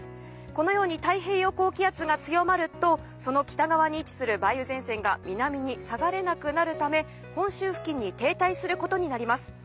このように太平洋高気圧が強まるとその北側に位置する梅雨前線が南に下がれなくなるため本州付近に停滞することになります。